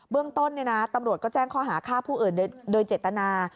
เรื่องต้นตำรวจก็แจ้งข้อหาฆ่าผู้อื่นโดยเจตนา